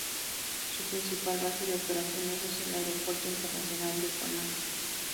Su principal base de operaciones es el Aeropuerto Internacional de Conakri.